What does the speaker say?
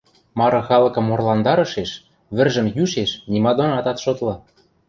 Мары халыкым орландарышеш, вӹржӹм йӱшеш нима донат ат шотлы.